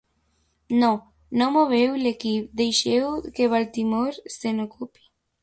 No, no moveu l'equip, deixeu que Baltimore se n'ocupi.